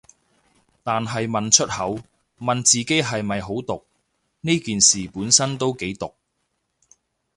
但係問出口，問自己係咪好毒，呢件事本身都幾毒